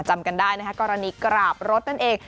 จำกันได้นะคะกรณีกราบรถนั่นเอง